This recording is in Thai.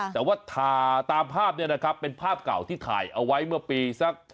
แต่ว่าตามภาพเนี่ยนะครับเป็นภาพเก่าที่ถ่ายเอาไว้เมื่อปีสัก